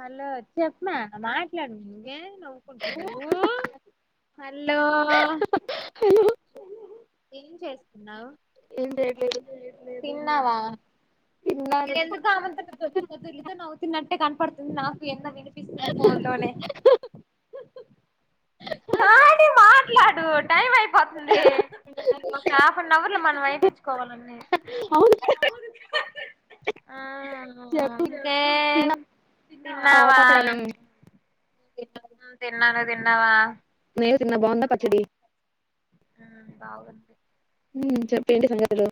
Hello చెప్మా మాట్లాడు నువ్వే నవ్వుకుంటువ్ హలో ఏం చేస్తున్నావు తిన్నవా ఎందుకో ఆమె తోని తొలుత నవ్వు తన్నట్ కనపడతంది నాకు ఎన్నో వినిపిస్తుంది ఫోన్ లోనే కానీ మాట్లాడు టైం అయిపోతుంది ఇ ఒక హాఫ్ అన్ అవర్ లో మనం వేపించుకోవాలీ ఆ తిన్నా వా తిన్నాను తిన్నావా నేను తిన్నా బాగుందా పచ్చడి ఆ బాగుంది హ్మ్ చెప్పు ఏంటి సంగతులు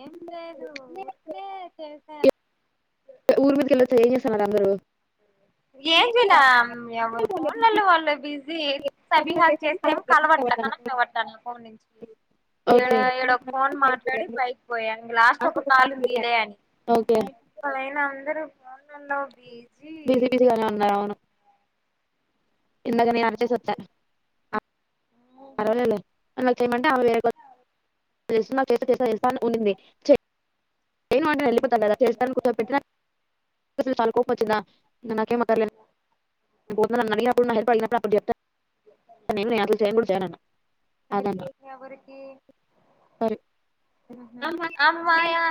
ఏం లేదు ఊరుకనే చేసా [unintelligible] ఇ సబిహా కి చేస్తే ఏం కలవట్లే కనెక్ట్ అవ్వట్ల నా ఫోన్ నుంచి ఈడ ఈడ ఒక ఫోన్ మాట్లాడి పైకి పోయా ఇంక లాస్ట్ ఒక కాల్ ఉంది లే అని అందరూ కాల్ [unintelligible] బిజీ ఇందాకనే అరచేసొచ్చా ఫరవాలే లే అలో చెయ్ మంటే [unintelligible] [unintelligible] [unintelligible] [unintelligible] చాలా కోపమొచ్చిందా [unintelligible] [unintelligible] [unintelligible] అమ్మాయా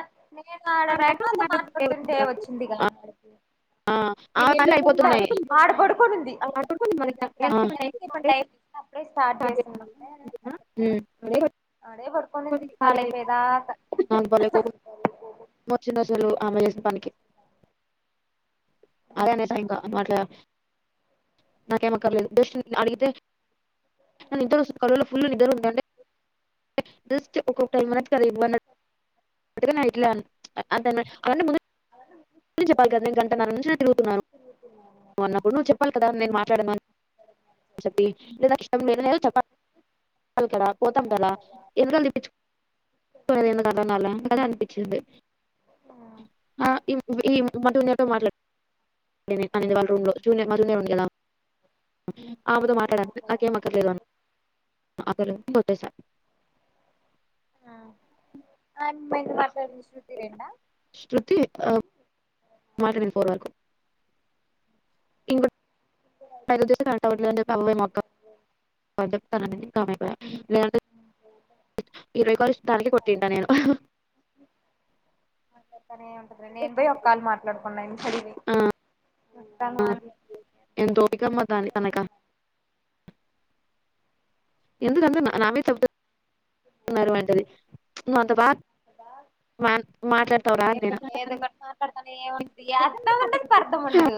[unintelligible] [unintelligible] హూ [inaudible] దానికి [inaudible] నాకేమక్కర్లేదు అడిగితే [inaudible] ఫుల్ నిద్ర ఉంది [inaudible] [inaudible] ఏదైనా ఇట్లే ఉన్నా అతను [inaudible] నిజం చెప్పాలి కదా నేను గంటన్నర నుంచి నా తిగుతున్నాను నువ్ అన్నప్పుడువ్వు చెప్పాలి కదా నేను మాట్లాడదాని చెప్పి ఇష్ట లేదద చెప్పాలి కద పోతాం కదా ఎన్ని సార్లు తిప్పిచ్ ఎందుకు అర్థంకాలే ఎందుకు అని అనిపించింది ఆ [inaudible] వంట రూమ్ [inaudible] ఆమెతో మాట్లాడను నాకేం అక్కర్లేదు [inaudible] [unintelligible] [unintelligible] శృతి ఆ మాట్లాడింది ఇప్పటి వరకు ఇంగ [unintelligible] [unintelligible] లేదంటే ఇరవై కాల్స్ తనకే కొట్టింట నేను అంటనే ఉంటది నేను పోయి ఒక కాలు మాట్లాడుకున్నా [unintelligible] ఆ ఎంత ఓపిక మ్మా దాని తనక ఎందుకు అంతా నా నామీద చెబుతారు ఉన్నారు అంటది నాతో బా మా మాట్లాడతావరా అన్నా అ ఏముండదు అర్ధం ఉండదు పర్దం ఉండదు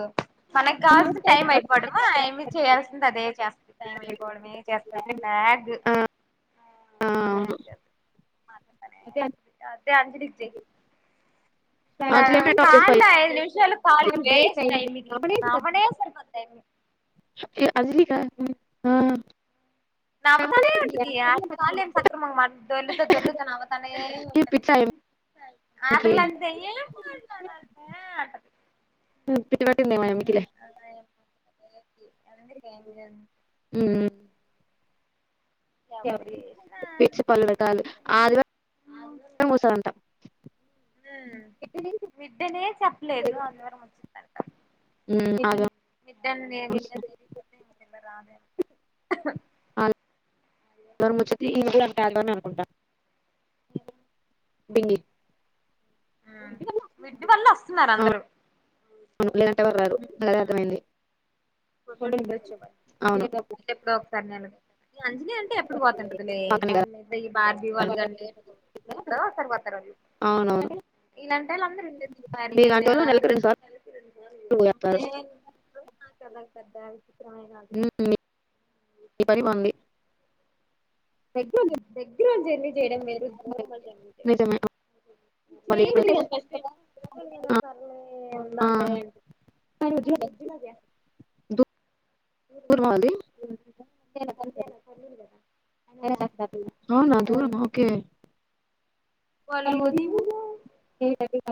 మనకి కావాల్సిన టైం అయిపోవడమా ఆయమ్మీ చేయాల్సింది అదే చేస్తది ల్యాగ్ చిన్ననే [unintelligible] [inaudible] ద అంజలికి చెయ్ తా కాల్లో ఐదు నిమిషాలు కాలు వేస్ట్ ఆయిమ్మికి నవ్వనే సరిపోద్ది ఆయిమ్మి ఎ ఎ అంజలికా ఆ నవ్వుతానే ఉంటది [unintelligible] కాల్ ఏం సక్రమంగా మాట్ దొర్లుత దొర్లుత నవ్వుతానే ఉంటది. ఆ పిల్ల అంతే ఏం మాట్లాడాలిమే అంటది ఉమ్ పిచ్చి పట్టిందేమో ఆయిమ్మికి లే ఓకే అంది ఎందుకు ఏం చేయన్ ఉమ్ ఎవరు చేసినా అంతే ఉమ్ బిడ్డనే చెప్పలేదు ఆదివారం వచ్చిద్దంట. [unintelligible] ఇంగరాదే [unintelligible] ఉంటా [unintelligible] [inaudible] అర్థమైంది కొన్ని రోజులు ఉండి వచ్చే వాళ్ళు వీళ్ళు ఎప్పుడో ఒకసారి నెలకి అంజనీ అంటే ఎప్పుడు పోతుంటదిలే ఈ బార్ బీ వాళ్ళు కానీ లే ఎప్పుడో ఒకసారి పోతారు వాళ్ళు ఇలాంటి [unintelligible] మరి నేను దా మీ పని బాంది దగ్గరలో జర్నీ చేయడం వేరు దూరంలో చేయడం వేరు చేయ బుద్ధి కాదు ఫస్ట్ తరలే ఉందాంలే అంట కానీ వద్దు చే దూరమా అది అవునా దూరమా ఓకే వాళ్ళు ఉదయము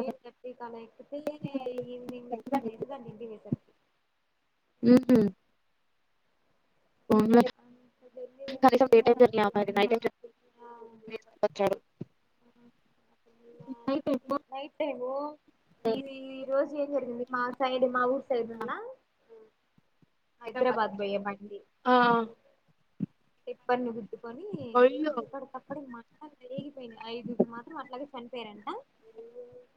ఎయిట్ తర్టీ కి అలా ఎక్కితే ఈవినింగ్ [inaudible] నైట్ టైము ఇది ఈ రోజు ఏం జరిగింది మా సైడ్ మా ఊరు సైడ్ ఉండ్లా హైదరాబాద్ భయమండి తిప్పన్ను గు ద్దుకొని అక్కడికక్కడే మంటలు రేగిపోయినై ఐదుగురు మాత్రం అట్లాగే చనిపోయారంట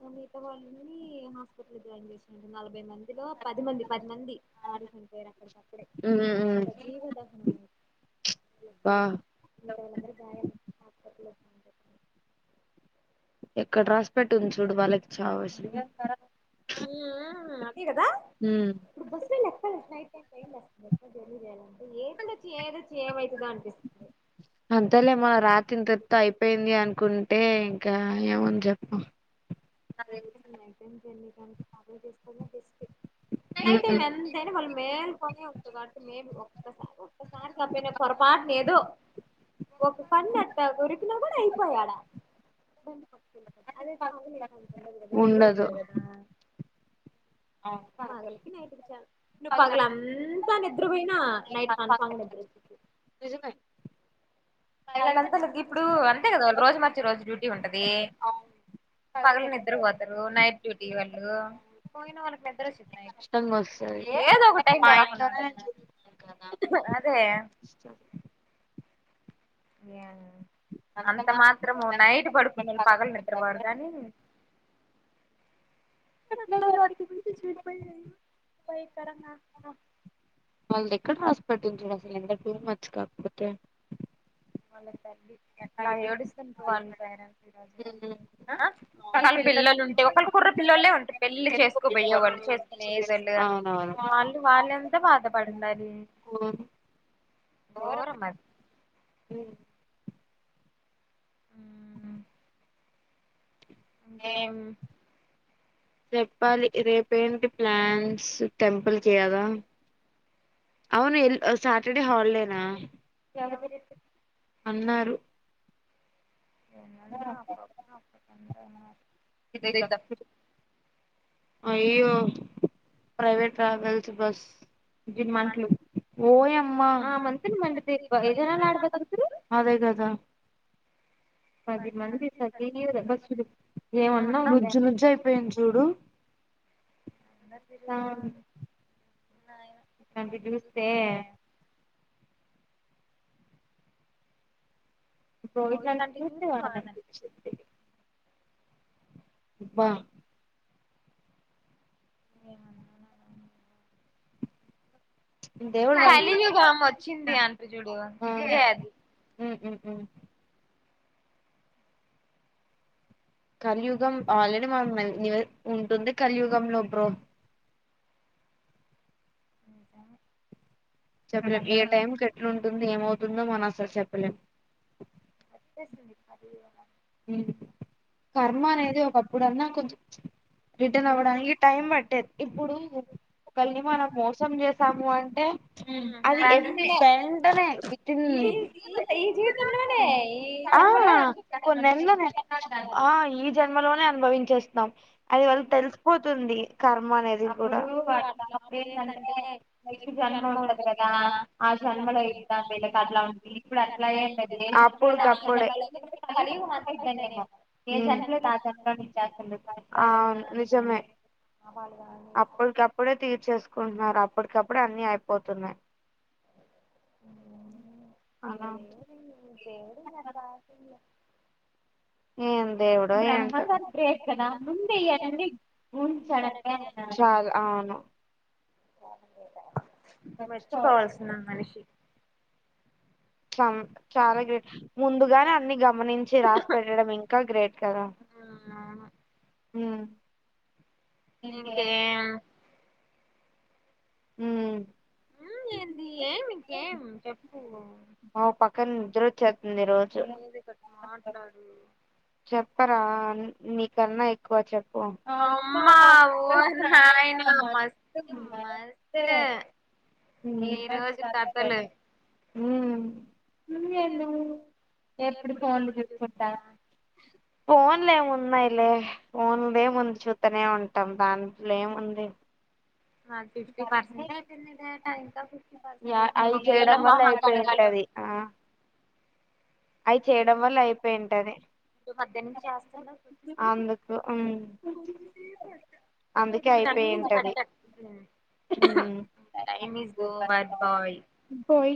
ఊ మిగతా వాళ్ళని హాస్పిటల్ జాయిన్ చేసినారు నలభై మంది దులో పది మంది పది మంది ఆడే చనిపోయారు అక్కడికక్కడే జీవ దహనమన్ మిగతావాళ్ళందరూ గాయాలు హాస్పెటల్ లో ఎక్కడ రాస్ పెట్టుంది చూడు వాళ్ళకి చావు అసలు ఊ కే భయమేస్తుంది ఎప్పుడు జర్నీ చేయాలన్న అంతలే మన రాత ఇంతటితో అయిపోయింది అనుకుంటే క ఏముంది జెప్పు అడిచిన ఐటమ్స్ ఎన్ని మనకి పాగం చేసుగున్న బెస్ట్ నైట్ టైం ఎంతైన వాళ్ళు మేల్కొనే ఉంటరు కాబట్టి మేలు [unintelligible] ఒకసారి కాకపోయినా పొరపాటున ఏదో ఒక పని అట్ట దొరికిన కూడా అయిపోయాడా అదే పగలైతయింది ఉండదు గద నిద్దర పోతారు కదా పగలుకి నైట్ కి చాలు నువు పగల అంతనే నిద్ర పోయిన నైట్ కన్ఫామ్ గా నిద్ర వచ్చిద్ది పగలంత నువు గిప్పుడు అంతే గదా వాళ్ రోజు మర్చి రోజు డ్యూటీ ఉంటది పగలు నిద్ర పోతరు నైట్ డ్యూటీ వాళ్ళు పోయిన వాళ్ళకి నిద్ర వచ్చింది నైట్ ఏదో ఒక టైమ్ ల రాకుండా ఉంటంది గదా అదే వ్యాన్ అంత మాత్రము నైట్ పడుకునోళ్ళు పగలు నిద్రపోరు గాని ఎట్ల గట్టి పిచ్చి చి పై ఐన పై తరంగ ఆమ్ వాళ్ళది ఎక్కడ రాసి పెట్టింది చూడు అసలు ఎంద టు మచ్ కాకపోతే అలేగు తల్లి ఎట్ట ఏడుస్తరు వాళ్ళు పేరెంట్స్ ఆ ఒకళ్ళ పిల్లలు ఉంటే ఒకళ్ళ కూడ పిల్లోలె ఉంటె పెళ్లిలు చేసుకోబోయే వాళ్ళు చేస్తనే ఏజల్లుగా వాళ్ళు వాళ్ళేంత బాధపడిండాలి ఘోరం అది ఉ ఇంకేం చెప్పాలి రేపు ఏంటి ప్లాన్స్ టెంపుల్ కి గదా అవును ఎలు సాటర్డే హాలిడేనా ఎవరు చెప్పిరు అన్నారు ఏందన్నా అప్పు అప్పు అప్ప తన్ అవును నాధ్ ఇద్ద ఇద్ద త్ అయ్యో ప్రైవేట్ ట్రావెల్స్ బస్ జన్ మన్ ట్లు ఓయమ్మా మంతిని మండితే అబ్బా ఏదైనా లాడు పెద్ది రుద్దుడు అదే గదా పది మంది తగ్గినయ్ గదా బస్ కు చెప్పు ఏమన్నా నుజ్జు నుజ్జు అయిపోయింది చూడు అందరు తిరుగుతా ఉం అవ్వి చూస్తే గోవింద్ గాని చూస్తే వాద్ అనిపించింది ఉబ్బా ఎమ్ అనన్నా నేను కలియుగం వచ్చింది అంటారు చుడు ఇదే అది మ్మ్ మ్ మ్మ్ కలియుగం ఆల్రెడీ మన్ మెన్ న్యూర్ ఉంటుంది కలియుగంలో బ్రో అ చెప్పలేం ఏ టైంకి ఎట్ల ఉం తుంది ఏమవుతుందో మనం అసలు చెప్పలేం ఎస్ని పర్ యుగ ఉమ్ కర్మ అనేది ఒకప్పుడన్నా కొంచెం ప్చ్ రిటర్న్ అవ్వడానికి టైం పట్టేది, ఇప్పుడు ఒకల్ని మనం మోసం చేసాము అంటే అది వెంటనే విత్ ఇన్ ఆ, [unintelligible] ఆ ఈ జన్మలో నే అనుభవించేస్తున్నాం అది వాల్లకి తెలిసిపోతుంది కర్మ అనేది ఇప్పుడు అట్లా అప్పుడు ఏందంటే నెక్ట్స్ జన్మ ఉంటది కదా ఆ జన్మలో ఇద్దాం వీళ్ళకి అట్లా, ఇప్పుడు అట్లా ఏం లేదు ఏ జన్మలోది ఆ జన్మలోనే [unintelligible] అవును నిజమే అప్ అప్పుడికప్పుడే తీర్చేసుకుంటున్నారు అప్పుడికప్పుడే అన్నీ అయిపోతున్నాయ్ ఆ దేవుడిం [unintelligible] రాసిన్లే ఏం దేవుడో ఏంటో చాలా అవును చం చాలా గ్రేట్ ముందుగానే అన్ని గమనించి రాసి పెట్టడం ఇంకా గ్రేట్ కదా ఇంకేం ఉమ్ ఉమ్మ్ ఏంది ఏమి ఇంకేం చెప్ ప్పో అ పక్కన నిద్రువచ్చేత్ మీది గట్ మాట్లాడు చెప్పరా న్ నీకన్నా ఎక్కువ చెప్ అమ్మా ఓ న్నాయనా మస్త్ మస్తే ఈరోజు కద్దలు నువ్వు ఏంది ఎప్పుడు ఎప్పుడు ఫోన్లు చూసుకుంటా, ఫోన్లో ఏమో ఉన్నాయిలే ఫోన్ది ఏముంది చూతనే ఉంటాం దాంట్లో ఏముంది. నాది ఫిఫ్టీ పర్సెంట్ అయిపోయింది. డేటా ఇంకా ఫిఫ్టీ పర్సెంట్ ఎప్పుడు ముగియాలో, మొహం కడగాలో అయి చేయడం వల్ల అయిపోయింటది. అందుకు హ్మ్ అందుకే అయిపోయింటది. హ్మ్ హ్ పోయ్